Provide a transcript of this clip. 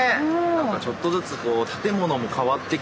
なんかちょっとずつこう建物も変わってきたり。